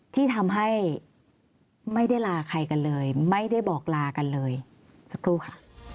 ที่ทำให้ไม่ได้ลาใครกันเลยไม่ได้บอกลากันเลยสักครู่ค่ะ